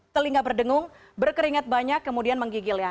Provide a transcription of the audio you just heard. telinga berdengung berkeringat banyak kemudian menggigil ya